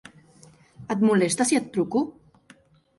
Et molesta si et truco?